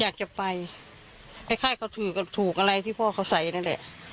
อยากจะไปไอ้ค่ายเขาถูกอะไรที่พ่อเขาใส่นั่นแหละ